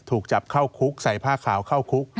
ถูกจับเข้าคุกใส่ผ้าขาวเข้าคุก